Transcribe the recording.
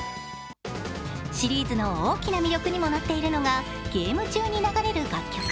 シリーズの大きな魅力にもなっているのがゲーム中に流れる楽曲。